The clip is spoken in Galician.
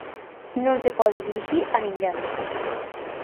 Non se pode dirixir a ninguén.